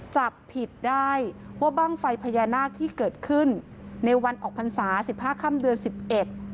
จับผิดได้ว่าบ้างไฟพญานาคที่เกิดขึ้นในวันออกพรรษาสิบห้าค่ำเดือนสิบเอ็ด